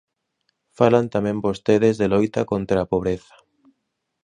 Falan tamén vostedes de loita contra a pobreza.